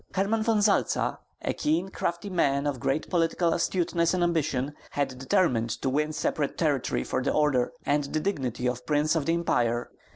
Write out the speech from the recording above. Herman Von Salza a keen, crafty man, of great political astuteness and ambition had determined to win separate territory for the order, and the dignity of Prince of the Empire for the grand master.